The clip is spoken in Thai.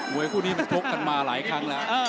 วยคู่นี้ชกกันมาหลายครั้งแล้ว